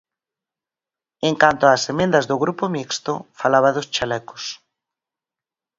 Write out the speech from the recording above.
En canto ás emendas do Grupo Mixto, falaba dos chalecos.